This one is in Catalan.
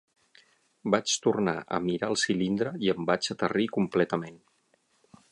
Vaig tornar a mirar el cilindre i em vaig aterrir completament.